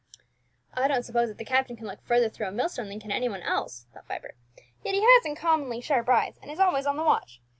"I don't suppose that the captain can look further through a mill stone than can any one else," thought Vibert; "yet he has uncommonly sharp eyes, and is always on the watch.